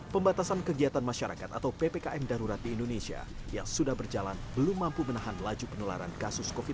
pembatasan kegiatan masyarakat atau ppkm darurat di indonesia yang sudah berjalan belum mampu menahan laju penularan kasus covid sembilan belas